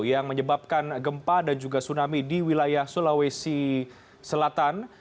yang menyebabkan gempa dan juga tsunami di wilayah sulawesi selatan